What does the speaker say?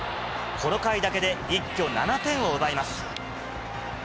この回だけで、一挙７点を奪います。